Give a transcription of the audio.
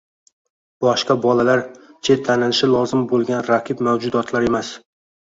boshqa bolalar – chetlanilishi lozim bo‘lgan raqib mavjudotlar emas